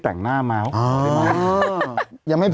ต้องกลับมาค่ะ